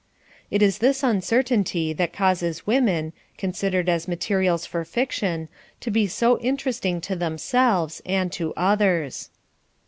It is this uncertainty that causes women, considered as materials for fiction, to be so interesting to themselves and to others.